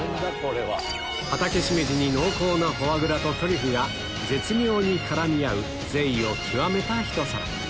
ハタケシメジに濃厚なフォアグラとトリュフが絶妙に絡み合う贅を極めたひと皿